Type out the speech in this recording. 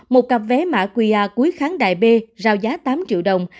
một cặp vé mã qa cuối kháng đại b rao giá tám triệu đồng